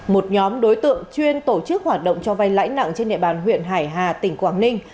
một nhóm đối tượng chuyên tổ chức hoạt động cho vay lãi nặng trên địa bàn huyện hải hà tỉnh quảng ninh